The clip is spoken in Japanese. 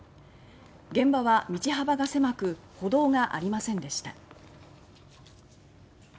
現場は道幅が狭く歩道がありませんでした。